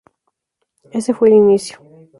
Ese fue el inicio.